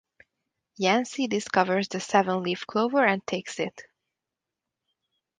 Yancy discovers the seven-leaf clover and takes it.